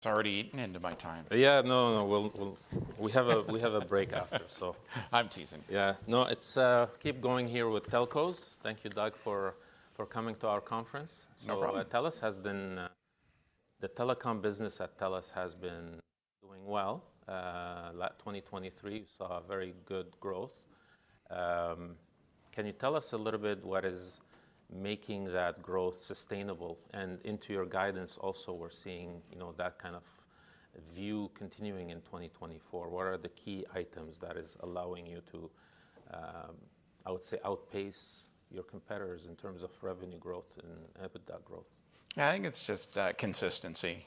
It's already eaten into my time. Yeah, no, no, we'll. We have a break after, so. I'm teasing. Yeah. No, it's, keep going here with telcos. Thank you, Doug, for coming to our conference. No problem. So TELUS has been. The telecom business at TELUS has been doing well. Last 2023 saw a very good growth. Can you tell us a little bit what is making that growth sustainable? And into your guidance also, we're seeing, you know, that kind of view continuing in 2024. What are the key items that is allowing you to, I would say, outpace your competitors in terms of revenue growth and EBITDA growth? I think it's just consistency.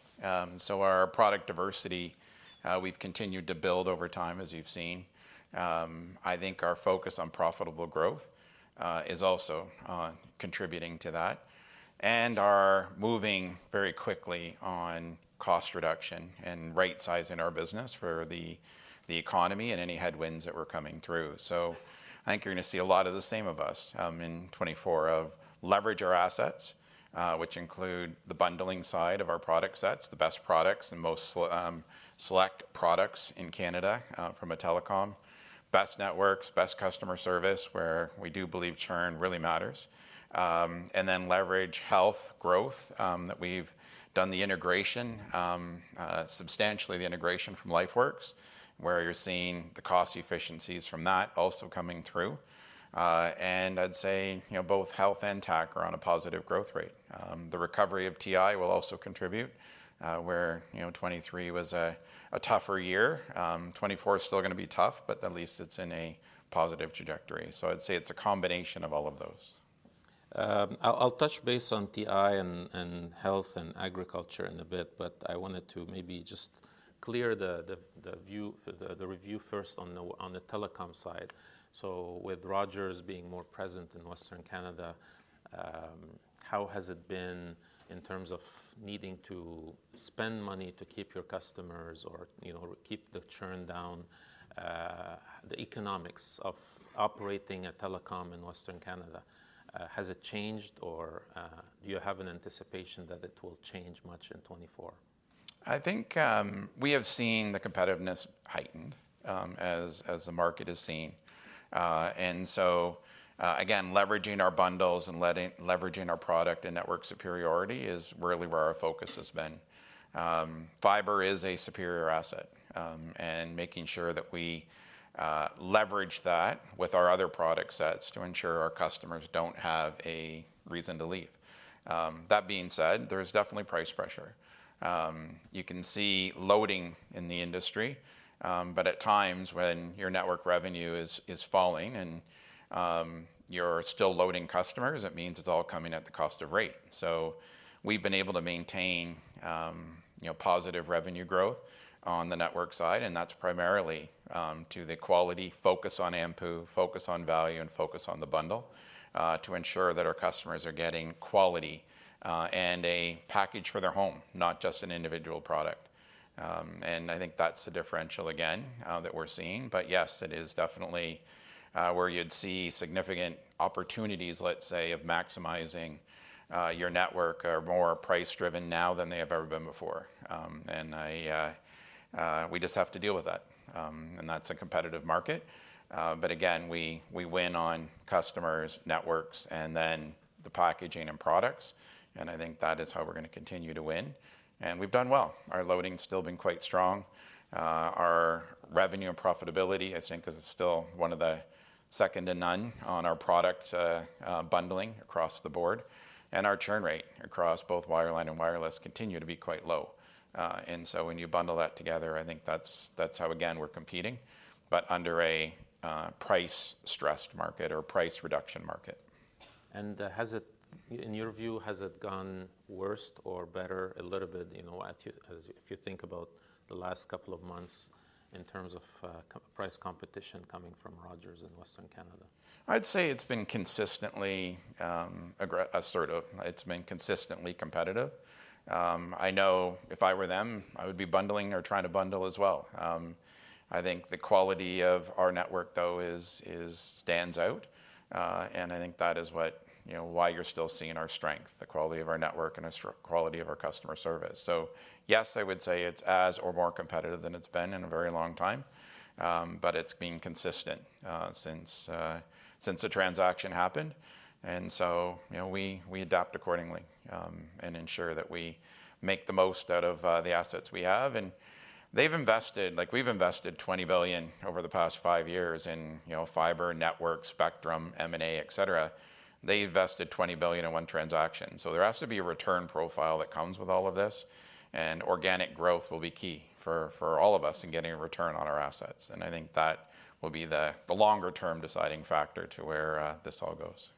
So our product diversity, we've continued to build over time, as you've seen. I think our focus on profitable growth is also contributing to that. And are moving very quickly on cost reduction and rightsizing our business for the economy and any headwinds that were coming through. So I think you're going to see a lot of the same of us in 2024, of leverage our assets, which include the bundling side of our product sets, the best products, the most select products in Canada from a telecom. Best networks, best customer service, where we do believe churn really matters. And then leverage Health growth that we've done the integration substantially the integration from LifeWorks, where you're seeing the cost efficiencies from that also coming through. And I'd say, you know, both Health and tech are on a positive growth rate. The recovery of TI will also contribute, where, you know, 2023 was a tougher year. 2024 is still gonna be tough, but at least it's in a positive trajectory. So I'd say it's a combination of all of those. I'll touch base on TI and Health and agriculture in a bit, but I wanted to maybe just clear the view, the review first on the telecom side. So with Rogers being more present in Western Canada, how has it been in terms of needing to spend money to keep your customers or, you know, keep the churn down? The economics of operating a telecom in Western Canada, has it changed or, do you have an anticipation that it will change much in 2024? I think, we have seen the competitiveness heightened, as the market has seen. And so, again, leveraging our bundles and leveraging our product and network superiority is really where our focus has been. Fiber is a superior asset, and making sure that we leverage that with our other product sets to ensure our customers don't have a reason to leave. That being said, there is definitely price pressure. You can see loading in the industry, but at times when your network revenue is falling and you're still loading customers, it means it's all coming at the cost of rate. So we've been able to maintain, you know, positive revenue growth on the network side, and that's primarily to the quality, focus on AMPU, focus on value, and focus on the bundle, to ensure that our customers are getting quality, and a package for their home, not just an individual product. And I think that's the differential again, that we're seeing. But yes, it is definitely where you'd see significant opportunities, let's say, of maximizing your network, are more price-driven now than they have ever been before. And we just have to deal with that. And that's a competitive market. But again, we win on customers, networks, and then the packaging and products, and I think that is how we're gonna continue to win, and we've done well. Our loading's still been quite strong. Our revenue and profitability, I think, is still one of the second to none on our product bundling across the board. Our churn rate across both wireline and wireless continue to be quite low. When you bundle that together, I think that's, that's how, again, we're competing, but under a price-stressed market or price reduction market. And, has it, in your view, has it gotten worse or better? A little bit, you know, as if you think about the last couple of months in terms of price competition coming from Rogers in Western Canada. I'd say it's been consistently assertive. It's been consistently competitive. I know if I were them, I would be bundling or trying to bundle as well. I think the quality of our network, though, is stands out, and I think that is what, you know, why you're still seeing our strength, the quality of our network and the quality of our customer service. So yes, I would say it's as or more competitive than it's been in a very long time, but it's been consistent since the transaction happened. And so, you know, we adapt accordingly, and ensure that we make the most out of the assets we have. And they've invested, like we've invested 20 billion over the past five years in, you know, fiber, network, spectrum, M&A, et cetera. They invested 20 billion in one transaction, so there has to be a return profile that comes with all of this, and organic growth will be key for all of us in getting a return on our assets. I think that will be the longer-term deciding factor to where this all goes.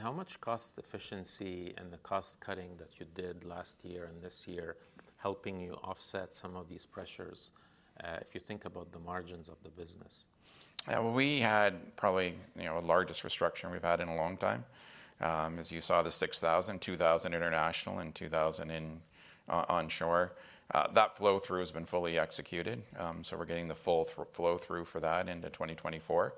How much cost efficiency and the cost-cutting that you did last year and this year helping you offset some of these pressures, if you think about the margins of the business? We had probably, you know, our largest restructure we've had in a long time. As you saw, the 6,000, 2,000 international and 2,000 in onshore. That flow-through has been fully executed, so we're getting the full flow-through for that into 2024.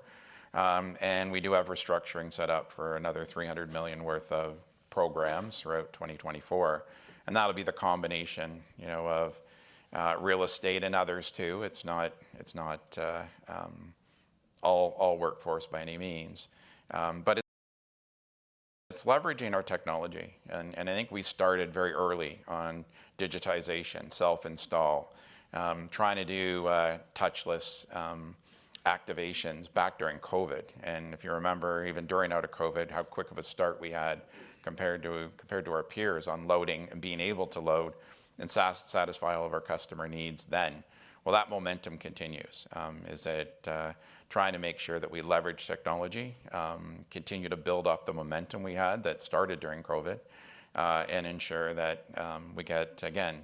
And we do have restructuring set up for another 300 million worth of programs throughout 2024, and that'll be the combination, you know, of real estate and others, too. It's not all workforce by any means. But it's leveraging our technology, and I think we started very early on digitization, self-install, trying to do touchless activations back during COVID. If you remember, even during out of COVID, how quick of a start we had compared to, compared to our peers on loading and being able to load and satisfy all of our customer needs then. Well, that momentum continues, trying to make sure that we leverage technology, continue to build off the momentum we had that started during COVID, and ensure that we get, again,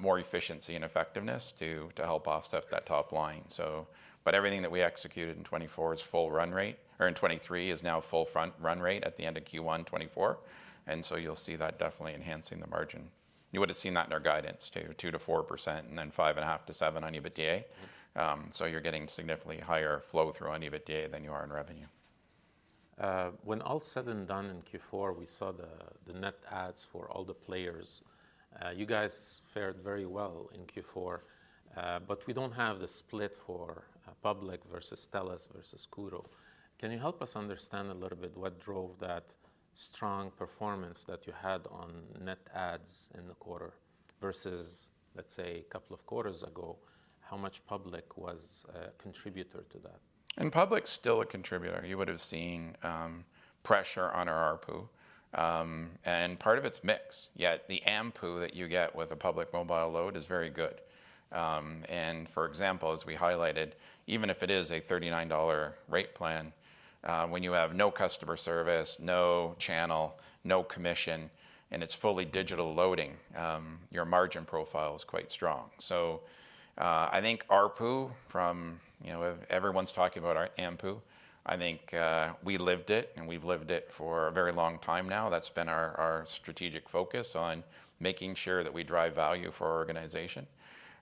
more efficiency and effectiveness to, to help offset that top line, so. But everything that we executed in 2024 is full run rate, or in 2023, is now full front run rate at the end of Q1 2024, and so you'll see that definitely enhancing the margin. You would've seen that in our guidance, too, 2%-4%, and then 5.5-7 on EBITDA. So you're getting significantly higher flow through on EBITDA than you are in revenue. When all said and done in Q4, we saw the net adds for all the players. You guys fared very well in Q4, but we don't have the split for Public versus TELUS versus Koodo. Can you help us understand a little bit what drove that strong performance that you had on net adds in the quarter versus, let's say, a couple of quarters ago? How much Public was a contributor to that? Public's still a contributor. You would've seen pressure on our ARPU, and part of it's mix, yet the AMPU that you get with a Public Mobile load is very good. For example, as we highlighted, even if it is a 39 dollar rate plan, when you have no customer service, no channel, no commission, and it's fully digital loading, your margin profile is quite strong. So, I think ARPU from... You know, everyone's talking about our AMPU. I think we lived it, and we've lived it for a very long time now. That's been our strategic focus on making sure that we drive value for our organization.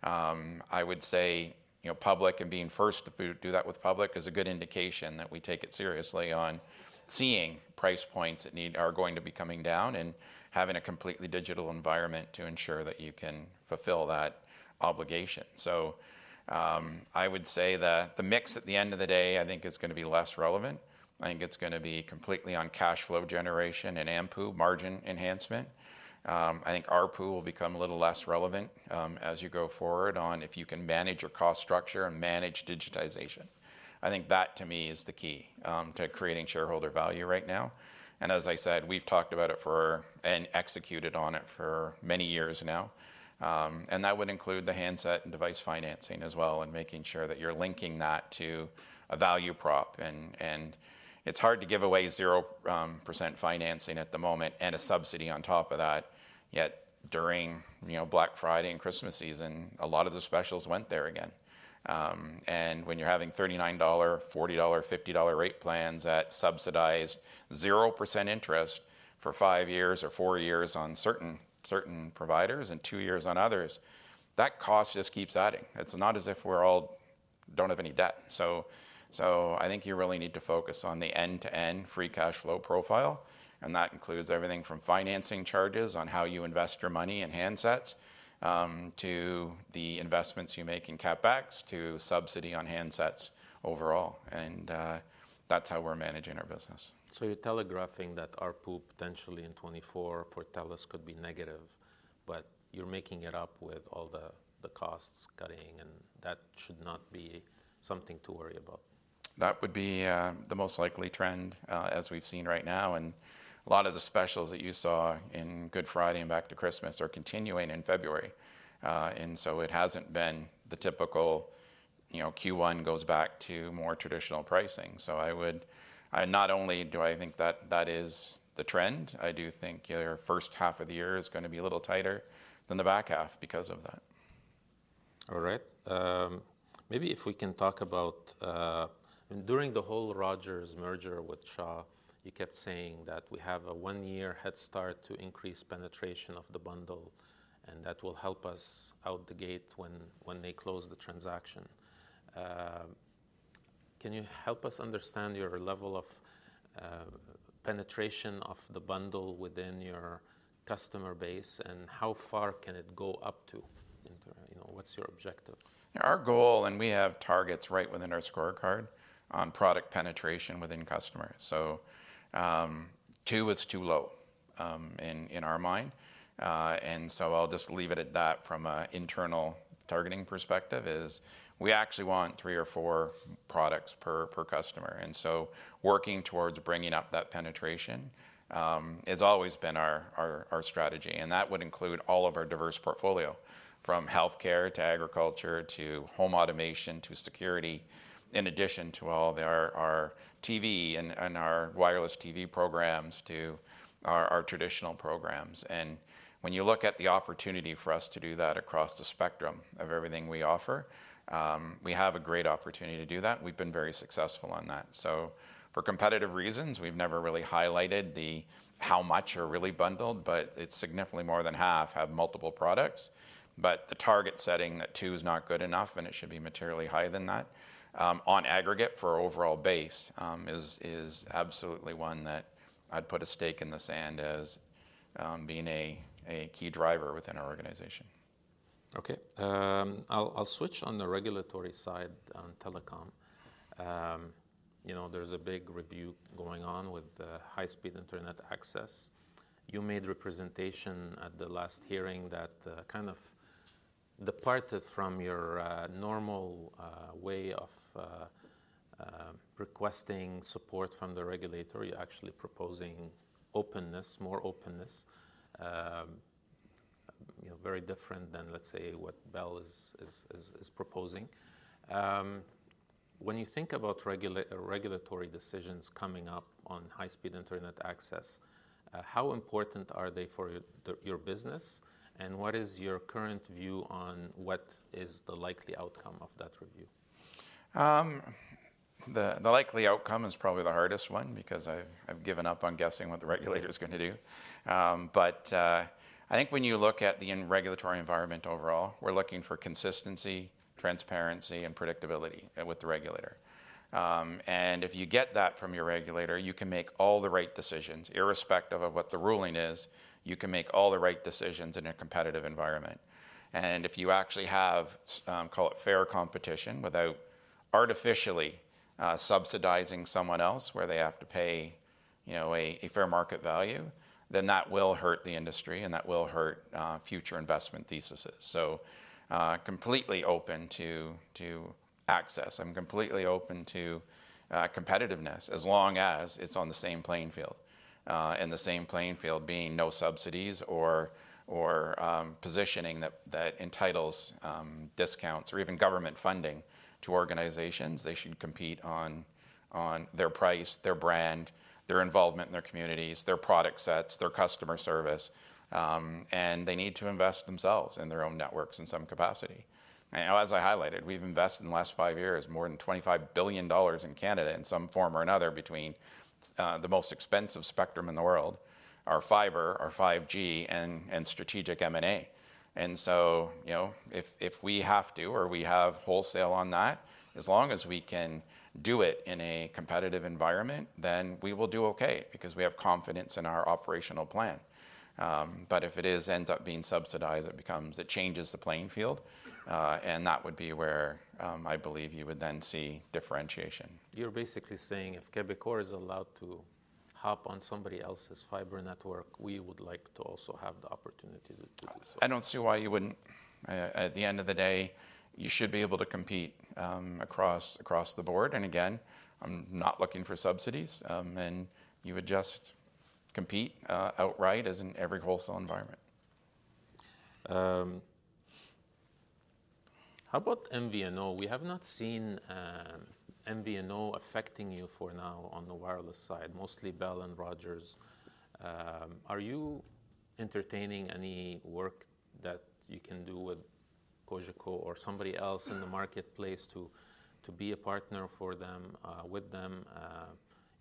I would say, you know, Public and being first to do that with Public is a good indication that we take it seriously on seeing price points that are going to be coming down, and having a completely digital environment to ensure that you can fulfill that obligation. So, I would say that the mix at the end of the day, I think is going to be less relevant. I think it's going to be completely on cash flow generation and AMPU margin enhancement. I think ARPU will become a little less relevant, as you go forward on if you can manage your cost structure and manage digitization. I think that, to me, is the key to creating shareholder value right now. And as I said, we've talked about it for and executed on it for many years now. And that would include the handset and device financing as well, and making sure that you're linking that to a value prop. And it's hard to give away 0% financing at the moment and a subsidy on top of that. Yet during, you know, Black Friday and Christmas season, a lot of the specials went there again. And when you're having 39-dollar, 40-dollar, 50-dollar rate plans at subsidized 0% interest for five years or four years on certain providers and two years on others, that cost just keeps adding. It's not as if we're all don't have any debt. So I think you really need to focus on the end-to-end free cash flow profile, and that includes everything from financing charges on how you invest your money in handsets, to the investments you make in CapEx, to subsidy on handsets overall, and that's how we're managing our business. So you're telegraphing that ARPU, potentially in 2024 for TELUS, could be negative, but you're making it up with all the costs cutting, and that should not be something to worry about? That would be the most likely trend as we've seen right now, and a lot of the specials that you saw in Good Friday and back to Christmas are continuing in February. And so it hasn't been the typical, you know, Q1 goes back to more traditional pricing. So I would not only do I think that that is the trend, I do think your first half of the year is going to be a little tighter than the back half because of that. All right. Maybe if we can talk about during the whole Rogers merger with Shaw, you kept saying that we have a one-year head start to increase penetration of the bundle, and that will help us out the gate when they close the transaction. Can you help us understand your level of penetration of the bundle within your customer base, and how far can it go up to? You know, what's your objective? Our goal, and we have targets right within our scorecard, on product penetration within customers. So, two is too low, in our mind, and so I'll just leave it at that from an internal targeting perspective, is we actually want three or four products per customer. And so working towards bringing up that penetration, has always been our strategy, and that would include all of our diverse portfolio, from Healthcare, to agriculture, to home automation, to security, in addition to all of our TV and our wireless TV programs, to our traditional programs. And when you look at the opportunity for us to do that across the spectrum of everything we offer, we have a great opportunity to do that, and we've been very successful on that. So for competitive reasons, we've never really highlighted the how much are really bundled, but it's significantly more than half have multiple products. But the target setting that two is not good enough, and it should be materially higher than that, on aggregate for our overall base, is absolutely one that I'd put a stake in the sand as being a key driver within our organization.... Okay. I'll switch to the regulatory side of telecom. You know, there's a big review going on with high-speed internet access. You made representation at the last hearing that kind of departed from your normal way of requesting support from the regulator. You're actually proposing openness, more openness. You know, very different than, let's say, what Bell is proposing. When you think about regulatory decisions coming up on high-speed internet access, how important are they for your business, and what is your current view on what is the likely outcome of that review? The likely outcome is probably the hardest one because I've given up on guessing what the regulator's gonna do. But I think when you look at the regulatory environment overall, we're looking for consistency, transparency, and predictability with the regulator. And if you get that from your regulator, you can make all the right decisions. Irrespective of what the ruling is, you can make all the right decisions in a competitive environment. And if you actually have, call it, fair competition, without artificially subsidizing someone else, where they have to pay, you know, a fair market value, then that will hurt the industry, and that will hurt future investment theses. So completely open to access. I'm completely open to competitiveness, as long as it's on the same playing field. and the same playing field being no subsidies or positioning that entitles discounts or even government funding to organizations. They should compete on their price, their brand, their involvement in their communities, their product sets, their customer service, and they need to invest themselves in their own networks in some capacity. And, as I highlighted, we've invested in the last five years more than 25 billion dollars in Canada in some form or another, between the most expensive spectrum in the world, our fiber, our 5G, and strategic M&A. And so, you know, if we have to, or we have wholesale on that, as long as we can do it in a competitive environment, then we will do okay because we have confidence in our operational plan. But if it ends up being subsidized, it becomes... It changes the playing field, and that would be where I believe you would then see differentiation. You're basically saying, if Quebecor is allowed to hop on somebody else's fiber network, we would like to also have the opportunity to do the same. I don't see why you wouldn't. At the end of the day, you should be able to compete, across, across the board. And again, I'm not looking for subsidies. And you would just compete, outright, as in every wholesale environment. How about MVNO? We have not seen MVNO affecting you for now on the wireless side, mostly Bell and Rogers. Are you entertaining any work that you can do with Cogeco or somebody else in the marketplace to be a partner for them, with them?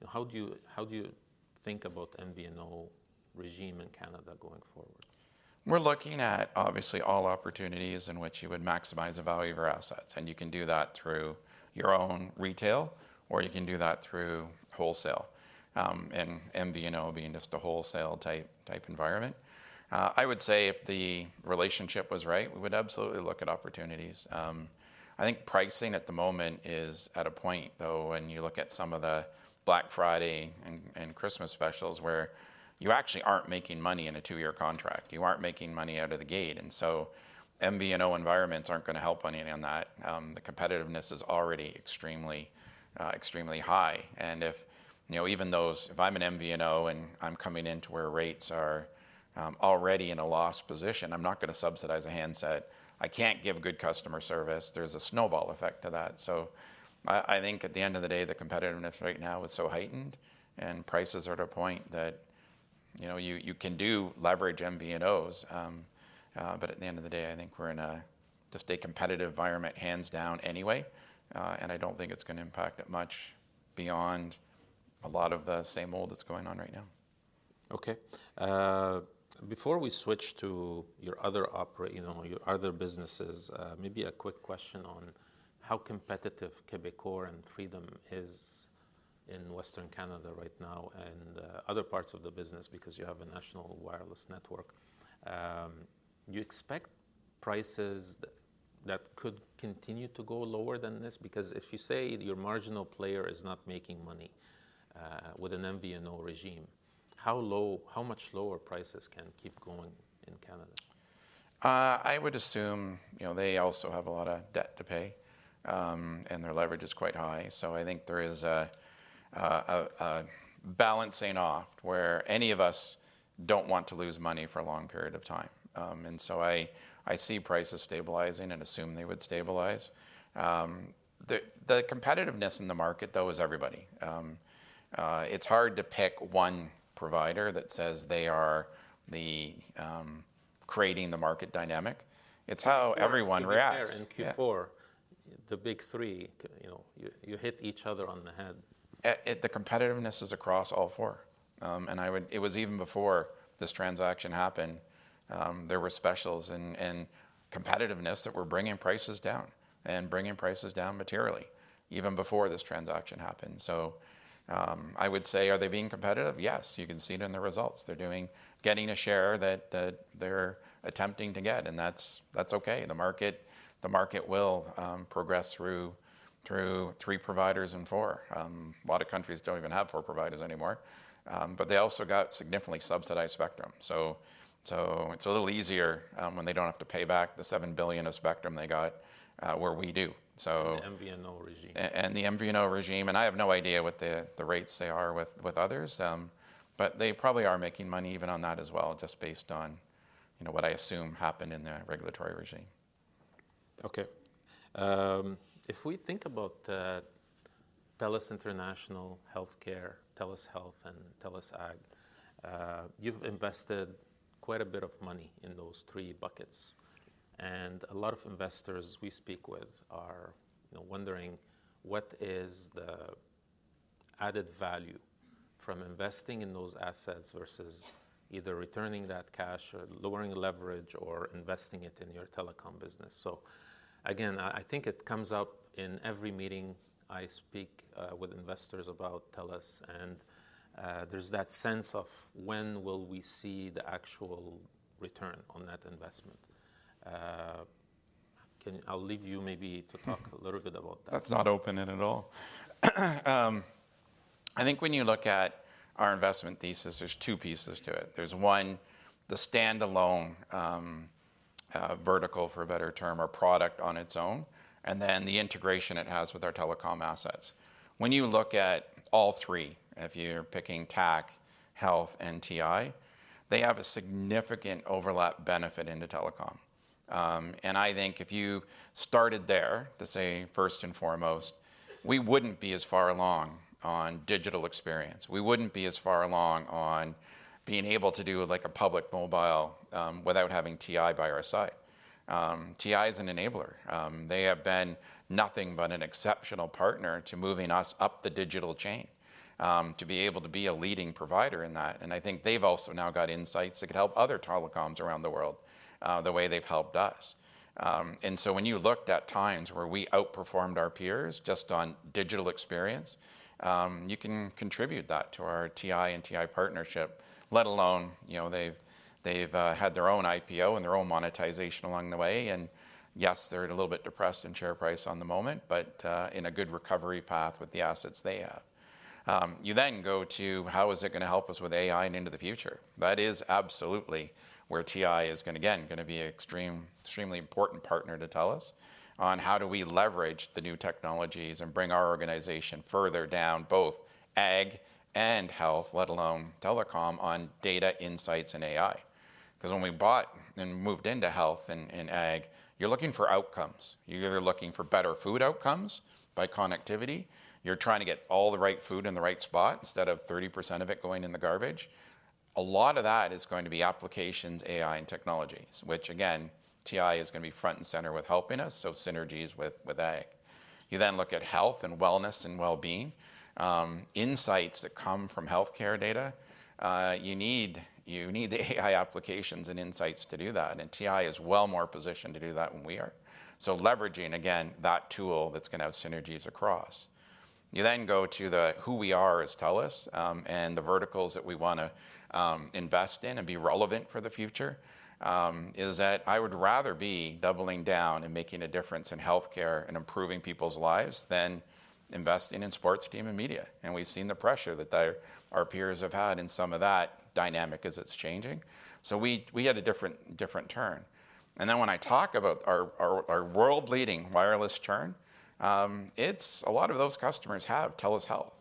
How do you think about MVNO regime in Canada going forward? We're looking at, obviously, all opportunities in which you would maximize the value of our assets, and you can do that through your own retail, or you can do that through wholesale, and MVNO being just a wholesale-type environment. I would say if the relationship was right, we would absolutely look at opportunities. I think pricing at the moment is at a point, though, when you look at some of the Black Friday and Christmas specials, where you actually aren't making money in a two-year contract. You aren't making money out of the gate. And so MVNO environments aren't gonna help any on that. The competitiveness is already extremely high. And if, you know, even those... If I'm an MVNO, and I'm coming into where rates are already in a loss position, I'm not gonna subsidize a handset. I can't give good customer service. There's a snowball effect to that. So I think at the end of the day, the competitiveness right now is so heightened, and prices are at a point that, you know, you can do leverage MVNOs. But at the end of the day, I think we're in just a competitive environment, hands down, anyway. And I don't think it's gonna impact it much beyond a lot of the same old that's going on right now. Okay. Before we switch to you know, your other businesses, maybe a quick question on how competitive Quebecor and Freedom is in Western Canada right now and other parts of the business, because you have a national wireless network. You expect prices that could continue to go lower than this? Because if you say your marginal player is not making money with an MVNO regime, how much lower prices can keep going in Canada? I would assume, you know, they also have a lot of debt to pay, and their leverage is quite high. So I think there is a balancing off, where any of us don't want to lose money for a long period of time. And so I see prices stabilizing and assume they would stabilize. The competitiveness in the market, though, is everybody. It's hard to pick one provider that says they are the creating the market dynamic. It's how everyone reacts. In Q4- Yeah... the Big Three, you know, you, you hit each other on the head. The competitiveness is across all four. It was even before this transaction happened, there were specials and competitiveness that were bringing prices down... and bringing prices down materially, even before this transaction happened. So, I would say, are they being competitive? Yes, you can see it in the results. They're getting a share that they're attempting to get, and that's okay. The market will progress through three providers and four. A lot of countries don't even have four providers anymore. But they also got significantly subsidized spectrum. So it's a little easier when they don't have to pay back the 7 billion of spectrum they got, where we do, so- The MVNO regime. And the MVNO regime. And I have no idea what the rates they are with others, but they probably are making money even on that as well, just based on, you know, what I assume happened in the regulatory regime. Okay. If we think about TELUS International Healthcare, TELUS Health, and TELUS Ag, you've invested quite a bit of money in those three buckets, and a lot of investors we speak with are, you know, wondering: what is the added value from investing in those assets versus either returning that cash, or lowering leverage, or investing it in your telecom business? So again, I, I think it comes up in every meeting I speak with investors about TELUS, and, there's that sense of: when will we see the actual return on that investment? I'll leave you maybe to talk a little bit about that. That's not opening it at all. I think when you look at our investment thesis, there's two pieces to it. There's, one, the standalone, vertical, for a better term, or product on its own, and then the integration it has with our telecom assets. When you look at all three, if you're picking TAC, Health, and TI, they have a significant overlap benefit into telecom. And I think if you started there, to say, first and foremost, we wouldn't be as far along on digital experience. We wouldn't be as far along on being able to do, like, a Public Mobile, without having TI by our side. TI is an enabler. They have been nothing but an exceptional partner to moving us up the digital chain, to be able to be a leading provider in that, and I think they've also now got insights that could help other telecoms around the world, the way they've helped us. And so when you looked at times where we outperformed our peers just on digital experience, you can contribute that to our TI and TI partnership. Let alone, you know, they've, they've, had their own IPO and their own monetization along the way. And yes, they're at a little bit depressed in share price on the moment, but, in a good recovery path with the assets they have. You then go to: how is it going to help us with AI and into the future? That is absolutely where TI is, again, going to be an extremely important partner to TELUS on how do we leverage the new technologies and bring our organization further down, both Ag and Health, let alone telecom, on data insights and AI. Because when we bought and moved into Health and Ag, you're looking for outcomes. You're either looking for better food outcomes by connectivity, you're trying to get all the right food in the right spot, instead of 30% of it going in the garbage. A lot of that is going to be applications, AI, and technologies, which again, TI is going to be front and center with helping us, so synergies with Ag. You then look at Health and wellness and well-being. Insights that come from Healthcare data, you need, you need the AI applications and insights to do that, and TI is well more positioned to do that than we are. So leveraging, again, that tool that's going to have synergies across. You then go to the who we are as TELUS, and the verticals that we want to invest in and be relevant for the future, is that I would rather be doubling down and making a difference in Healthcare and improving people's lives than investing in sports, gaming, and media. And we've seen the pressure that our peers have had in some of that dynamic as it's changing. So we had a different turn. And then when I talk about our world-leading wireless churn, it's... A lot of those customers have TELUS Health.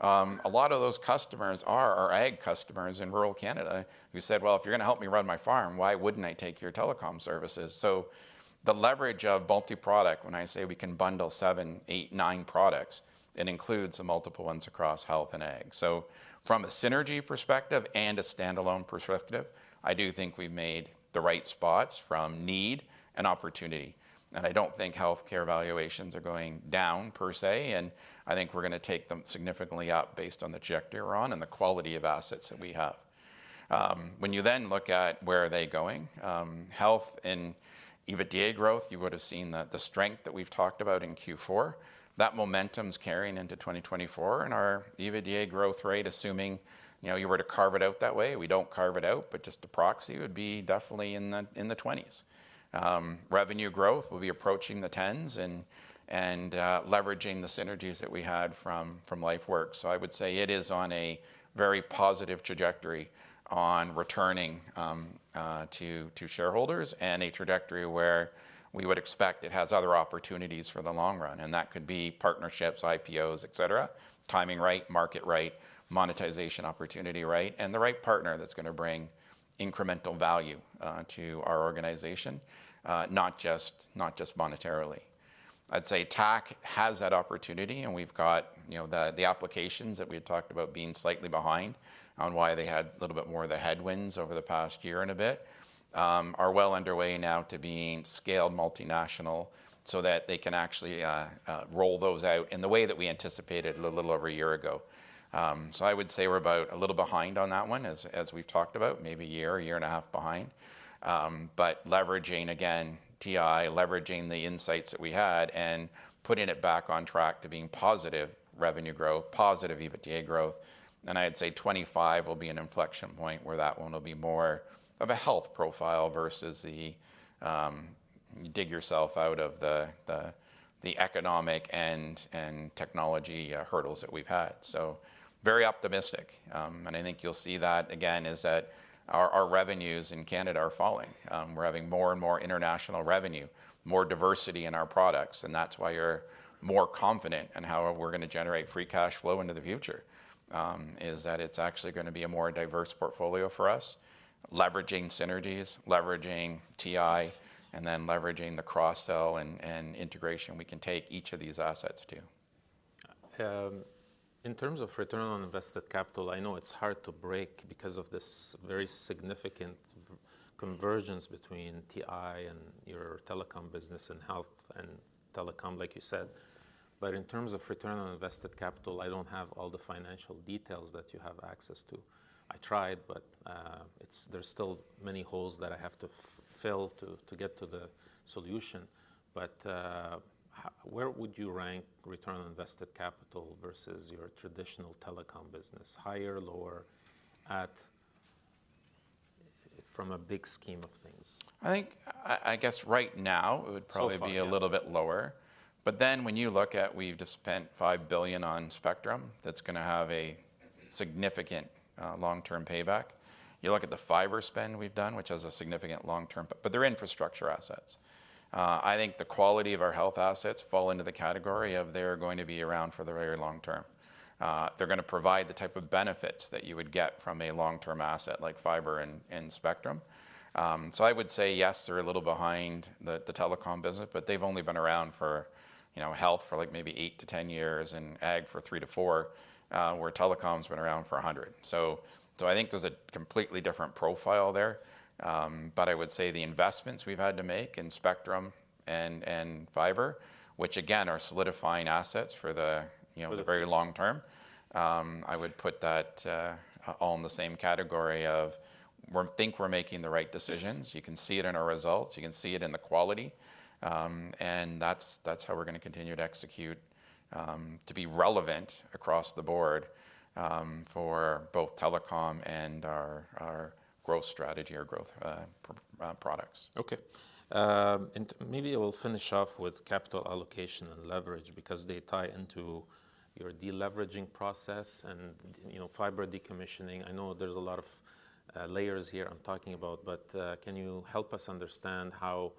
A lot of those customers are our Ag customers in rural Canada, who said: "Well, if you're going to help me run my farm, why wouldn't I take your telecom services?" So the leverage of multi-product, when I say we can bundle seven, eight, nine products, it includes the multiple ones across Health and Ag. So from a synergy perspective and a standalone perspective, I do think we've made the right spots from need and opportunity. And I don't think Healthcare valuations are going down per se, and I think we're going to take them significantly up based on the trajectory we're on and the quality of assets that we have. When you then look at where are they going, Health and EBITDA growth, you would have seen the strength that we've talked about in Q4. That momentum's carrying into 2024, and our EBITDA growth rate, assuming, you know, you were to carve it out that way, we don't carve it out, but just a proxy, would be definitely in the, in the twenties. Revenue growth will be approaching the tens and, and, leveraging the synergies that we had from, from LifeWorks. So I would say it is on a very positive trajectory on returning, to, to shareholders and a trajectory where we would expect it has other opportunities for the long run, and that could be partnerships, IPOs, et cetera. Timing right, market right, monetization opportunity right, and the right partner that's going to bring incremental value, to our organization, not just, not just monetarily. I'd say TAC has that opportunity, and we've got, you know, the applications that we had talked about being slightly behind on why they had a little bit more of the headwinds over the past year and a bit, are well underway now to being scaled multinational so that they can actually roll those out in the way that we anticipated a little over a year ago. So I would say we're about a little behind on that one, as we've talked about, maybe a year, a year and a half behind, but leveraging again, TI, leveraging the insights that we had and putting it back on track to being positive revenue growth, positive EBITDA growth. And I'd say 2025 will be an inflection point, where that one will be more of a Health profile versus the you dig yourself out of the economic and technology hurdles that we've had. So very optimistic. And I think you'll see that again, is that our revenues in Canada are falling. We're having more and more international revenue, more diversity in our products, and that's why you're more confident in how we're going to generate free cash flow into the future, is that it's actually going to be a more diverse portfolio for us, leveraging synergies, leveraging TI, and then leveraging the cross-sell and integration we can take each of these assets to. In terms of return on invested capital, I know it's hard to break because of this very significant convergence between TI and your telecom business, and Health, and telecom, like you said. But in terms of return on invested capital, I don't have all the financial details that you have access to. I tried, but it's there are still many holes that I have to fill to get to the solution. But where would you rank return on invested capital versus your traditional telecom business? Higher, lower, at... from a big scheme of things? I think, I guess right now, it would probably- So far, yeah.... be a little bit lower. But then when you look at, we've just spent 5 billion on spectrum, that's going to have a significant long-term payback. You look at the fiber spend we've done, which has a significant long-term, but they're infrastructure assets. I think the quality of our Health assets fall into the category of they're going to be around for the very long term. They're going to provide the type of benefits that you would get from a long-term asset like fiber and spectrum. So I would say yes, they're a little behind the telecom business, but they've only been around for, you know, Health for, like, maybe 8-10 years, and Ag for 3-4, where telecom's been around for 100. So I think there's a completely different profile there. But I would say the investments we've had to make in spectrum and fiber, which again, are solidifying assets for the, you know- The-... the very long term, I would put that all in the same category of we think we're making the right decisions. You can see it in our results, you can see it in the quality. And that's how we're going to continue to execute to be relevant across the board for both telecom and our growth strategy, our growth products. Okay. And maybe we'll finish off with capital allocation and leverage because they tie into your deleveraging process and, you know, fiber decommissioning. I know there's a lot of layers here I'm talking about, but can you help us understand how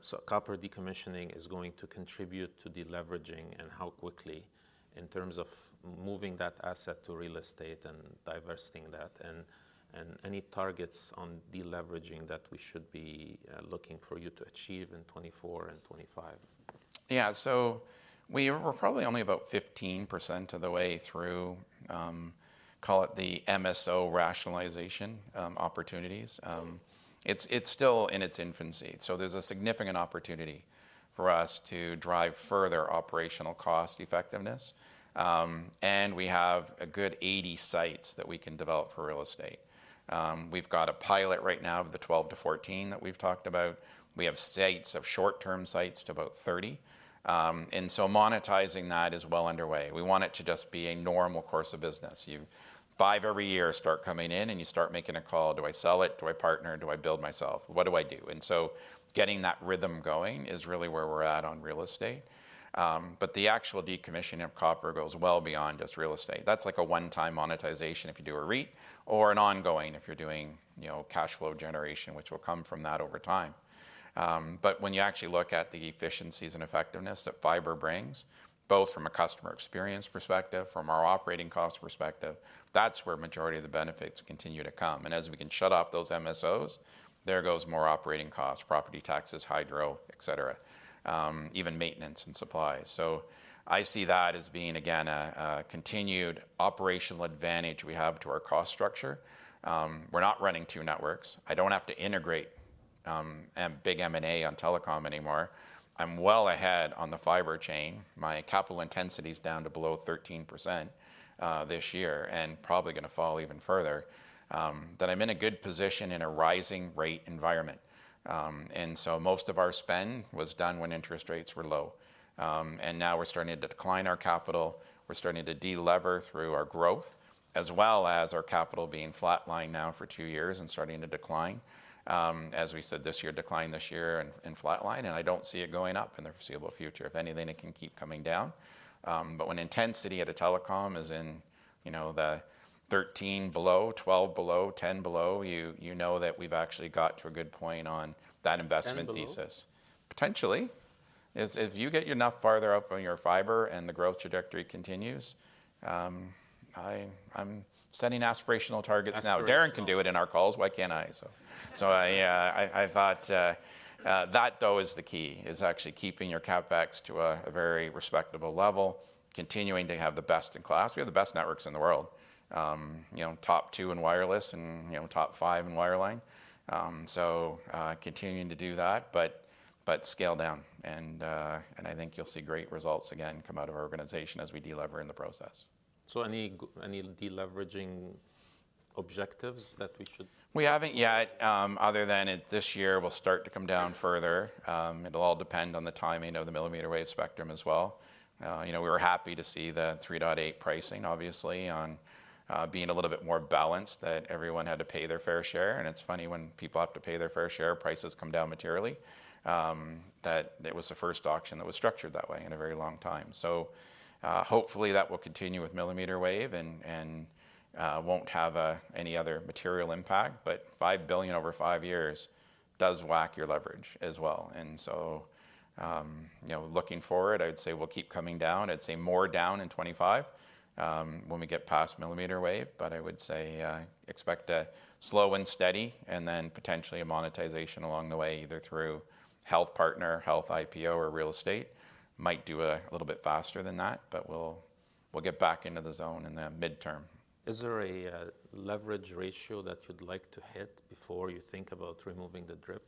so copper decommissioning is going to contribute to deleveraging, and how quickly, in terms of moving that asset to real estate and diversifying that? And any targets on deleveraging that we should be looking for you to achieve in 2024 and 2025? Yeah. So we're probably only about 15% of the way through, call it the MSO rationalization opportunities. It's still in its infancy, so there's a significant opportunity for us to drive further operational cost effectiveness. And we have a good 80 sites that we can develop for real estate. We've got a pilot right now of the 12-14 that we've talked about. We have sites of short-term sites to about 30. And so monetizing that is well underway. We want it to just be a normal course of business. You... five every year start coming in, and you start making a call, "Do I sell it? Do I partner? Do I build myself? What do I do?" And so getting that rhythm going is really where we're at on real estate. But the actual decommissioning of copper goes well beyond just real estate. That's like a one-time monetization if you do a REIT, or an ongoing, if you're doing, you know, cash flow generation, which will come from that over time. But when you actually look at the efficiencies and effectiveness that fiber brings, both from a customer experience perspective, from our operating cost perspective, that's where majority of the benefits continue to come. And as we can shut off those MSOs, there goes more operating costs, property taxes, hydro, et cetera, even maintenance and supplies. So I see that as being, again, a continued operational advantage we have to our cost structure. We're not running two networks. I don't have to integrate, big M&A on telecom anymore. I'm well ahead on the fiber chain. My capital intensity is down to below 13%, this year, and probably going to fall even further. That I'm in a good position in a rising rate environment. And so most of our spend was done when interest rates were low. And now we're starting to decline our capital, we're starting to de-lever through our growth, as well as our capital being flatlined now for two years and starting to decline. As we said this year, decline this year and flatline, and I don't see it going up in the foreseeable future. If anything, it can keep coming down. But when intensity at a telecom is in, you know, the 13 below, 12 below, 10 below, you know that we've actually got to a good point on that investment thesis. Ten below? Potentially. If you get enough farther up on your fiber and the growth trajectory continues, I'm setting aspirational targets now. Aspirational. Darren can do it in our calls, why can't I? So I thought that is the key, is actually keeping your CapEx to a very respectable level, continuing to have the best in class. We have the best networks in the world. You know, top two in wireless and, you know, top five in wireline. So, continuing to do that, but scale down, and I think you'll see great results again come out of our organization as we de-lever in the process. So, any deleveraging objectives that we should? We haven't yet, other than this year will start to come down further. It'll all depend on the timing of the millimeter wave spectrum as well. You know, we were happy to see the 3.8 pricing, obviously, on being a little bit more balanced, that everyone had to pay their fair share. And it's funny, when people have to pay their fair share, prices come down materially. That it was the first auction that was structured that way in a very long time. So, hopefully, that will continue with millimeter wave and won't have any other material impact. But 5 billion over five years does whack your leverage as well. And so, you know, looking forward, I'd say we'll keep coming down. I'd say more down in 2025, when we get past millimeter wave. But I would say, expect a slow and steady and then potentially a monetization along the way, either through Health partner, Health IPO, or real estate. Might do a little bit faster than that, but we'll, we'll get back into the zone in the midterm. Is there a leverage ratio that you'd like to hit before you think about removing the DRIP?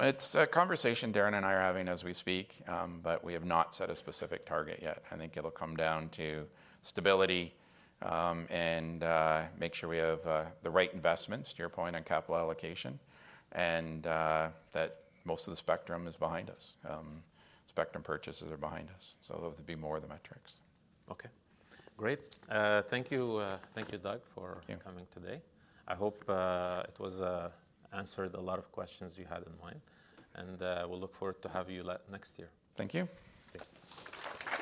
It's a conversation Darren and I are having as we speak, but we have not set a specific target yet. I think it'll come down to stability, and make sure we have the right investments, to your point, on capital allocation, and that most of the spectrum is behind us, spectrum purchases are behind us. So those would be more the metrics. Okay, great. Thank you, thank you, Doug, for- Thank you... coming today. I hope it was answered a lot of questions you had in mind, and we'll look forward to have you next year. Thank you. Yes.